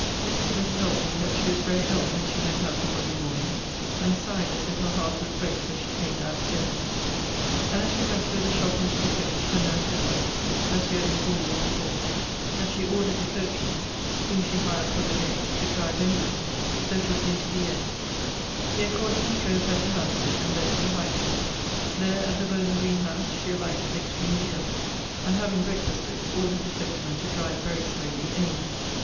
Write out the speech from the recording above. Mrs. Smith tells me 'that she was very ill when she went out on Monday morning, and sighed as if her heart would break as she came down stairs, and as she went through the shop into the coach, her nurse with her, as you had informed me before: that she ordered the coachman (whom she hired for the day) to drive any where, so it was into the air: he accordingly drove her to Hampstead, and thence to Highgate. There at the Bowling green House, she alighted, extremely ill, and having breakfasted, ordered the coachman to drive very slowly any where.